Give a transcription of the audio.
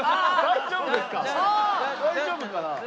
大丈夫かな？